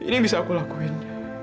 ini yang bisa aku lakuin